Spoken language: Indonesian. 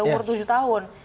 umur tujuh tahun